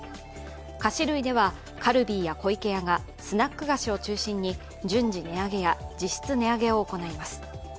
菓子類ではカルビーや湖池屋がスナック菓子を中心に順次値上げは実質値上げを行います。